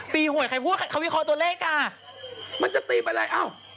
ตีหวยใครพูดความวิคคลตัวเลขอ่ะมันจะตีไปไหนอ้าว